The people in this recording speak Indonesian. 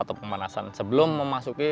atau pemanasan sebelum memasuki